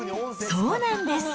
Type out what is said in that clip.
そうなんです。